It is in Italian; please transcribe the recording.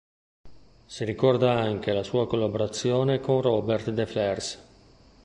Si ricorda anche la sua collaborazione con Robert de Flers.